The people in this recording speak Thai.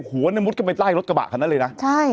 หัวเนมุดเข้าไปไล่รถกระบะของนั่นเลยนะ